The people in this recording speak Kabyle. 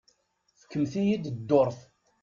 Fkemt-iyi-d dduṛt.